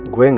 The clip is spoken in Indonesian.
gue gak tau